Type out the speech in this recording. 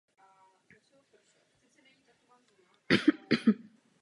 Rumunsko reprezentovala v osmdesátých a devadesátých letech.